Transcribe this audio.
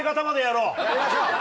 もう、やりましょう。